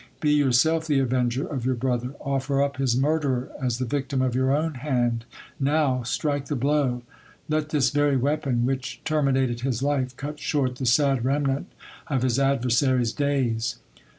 Be yourself the avenger of your brother : offer up his murderer as the victim of your own hand : now, strike the blow. Let this very weapon which termin ated his life, cut short the sad remnant of his adversary's days.